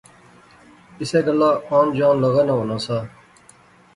اسے گلاہ آن جان لغا نا ہونا سا